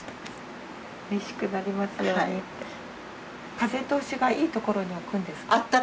風通しがいい所に置くんですか？